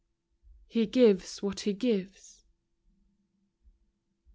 He gives what He gives.